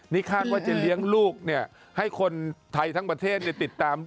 นี่คาดว่าจะเลี้ยงลูกให้คนไทยทั้งประเทศติดตาม